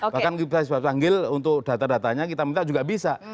bahkan kita sudah panggil untuk data datanya kita minta juga bisa